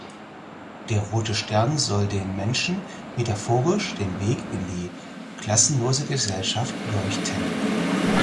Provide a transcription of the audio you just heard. Der rote Stern sollte den Menschen metaphorisch den Weg in die klassenlose Gesellschaft leuchten.